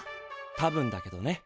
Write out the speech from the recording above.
たぶんだけどね。